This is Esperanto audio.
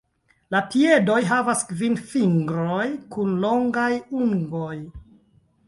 La piedoj havas kvin fingroj kun longaj ungoj.